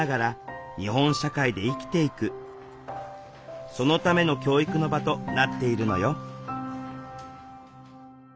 今ではそのための教育の場となっているのよ